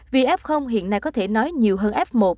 vì f hiện nay có thể nói nhiều hơn f một